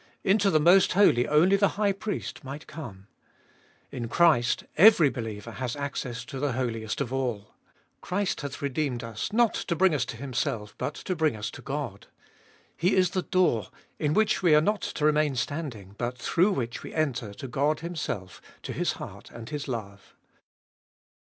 Into the Most Holy only the High Priest might come. In Christ every believer has access to the Holiest of All. Christ hath redeemed us, not to bring us to Himself, but to bring us to God. He is the door, in which we are not to remain standing, but through which we enter to God Himself, to His heart and His love.